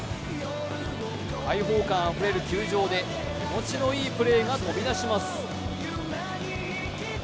開放感あふれる球場で気持ちのいいプレーが飛び出します。